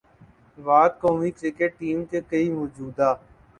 بعد قومی cricket team کے کئی موجودہ